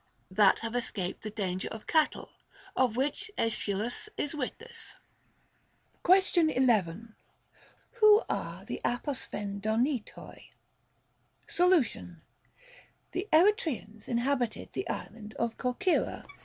that have escaped the danger of cattle), of which Aeschylus is witness. Question 11. Who are the 14ποσφει>δόνητοίϊ Solution. The Eretrians inhabited the island of Cor cyra.